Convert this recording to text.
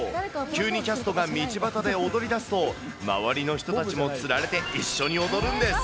急にキャストが道端で踊りだすと、周りの人たちもつられて一緒に踊るんです。